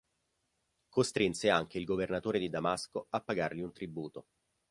Costrinse anche il governatore di Damasco a pagargli un tributo.